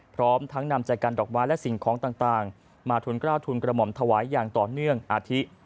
พร้อมทั้งนำใจกันดอกไม้และสิ่งของต่างมาทุนกล้าวทุนกระหม่อมถวายอย่างต่อเนื่องอาทิ